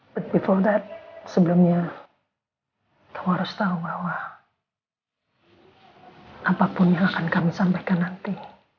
tapi sebelum itu kamu harus tahu bahwa apapun yang akan kami sampaikan nanti